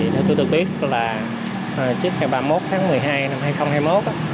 thì tôi được biết là trước ngày ba mươi một tháng một mươi hai năm hai nghìn hai mươi một